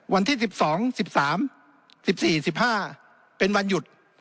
วันที่๑๒๑๓๑๔๑๕เป็นวันหยุด